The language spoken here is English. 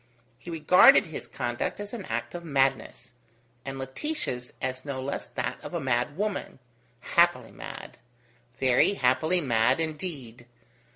He regarded his conduct as an act of madness, and Laetitia's as no less that of a madwoman happily mad! Very happily mad indeed!